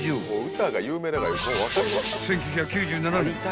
［１９９７年